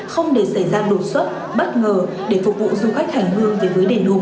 không để xảy ra đột xuất bất ngờ để phục vụ du khách hành hương về với đền hùng một cách thuận lợi